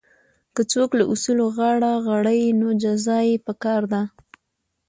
که څوک له اصولو غاړه غړوي نو جزا یې پکار ده.